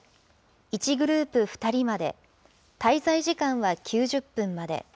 １グループ２人まで、滞在時間は９０分まで。